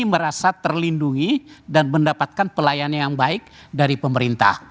merasa terlindungi dan mendapatkan pelayanan yang baik dari pemerintah